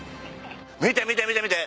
見て見て見て見て。